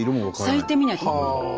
咲いてみないと。